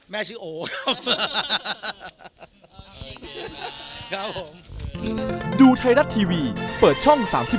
แม่ชื่อโอ